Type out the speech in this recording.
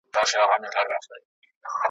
د ناروغۍ پر بستر پرېوت و